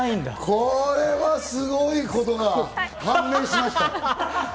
これはすごいことだが判明しました。